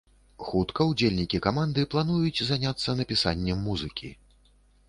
Хутка удзельнікі каманды плануюць заняцца напісаннем музыкі.